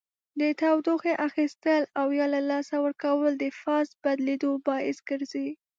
د تودوخې اخیستل او یا له لاسه ورکول د فاز بدلیدو باعث ګرځي.